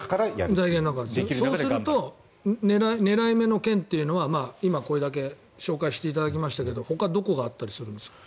そうすると狙い目の県というのは今これだけ紹介していただきましたがほかはどこがあるんですか。